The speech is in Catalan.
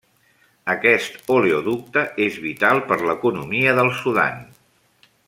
Aquest oleoducte és vital per l'economia del Sudan.